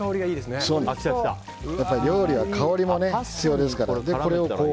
料理は香りも必要ですから。